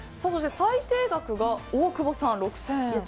最低額が大久保さん、６０００円。